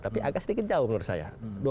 tapi agak sedikit jauh menurut saya